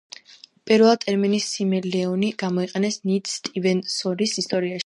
პირველად ტერმინი სიმელეონი გამოიყენეს ნილ სტივენსონის ისტორიაში.